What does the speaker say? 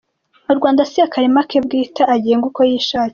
U Rwanda si akarima ke bwite agenga uko yishakiye.